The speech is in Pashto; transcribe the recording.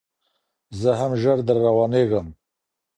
زه هم ژر در روانېږم